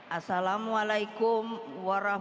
assalamualaikum warahmatullahi wabarakatuh